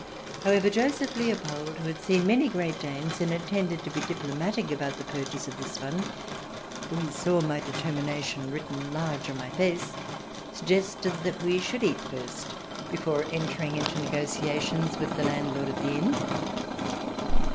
i88 THE DESIRABLE ALIEN [ch. xiv However, Joseph Leopold, who had seen many Great Danes and intended to be diplomatic about the purchase of this one — for he saw my determina tion written large on my face — suggested that we should eat first before entering into negotiations with the landlord of the inn.